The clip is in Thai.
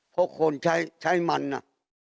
พวกคนใช้มันน่ะ